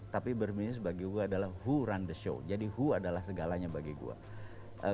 tapi berbisnis bagi gue adalah who run the show jadi hu adalah segalanya bagi gue